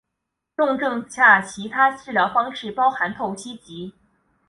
重症下其他治疗方法包含透析及。